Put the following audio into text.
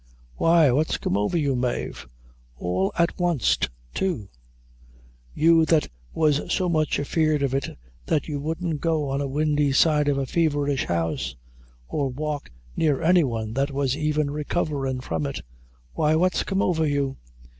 "Why what's come over you, Mave? all at wanst too you that was so much afeard of it that you wouldn't go on a windy side of a feverish house, nor walk near any one that was even recoverin' from it. Why, what's come over you?"